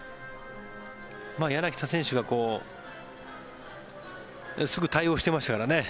柳田選手がすぐ対応してましたからね。